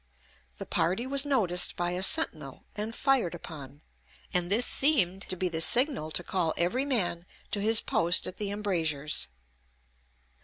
The party was noticed by a sentinel and fired upon; and this seemed to be the signal to call every man to his post at the embrasures.